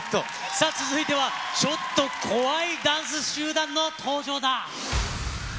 さあ、続いては、ちょっと怖いダンス集団の登場だ。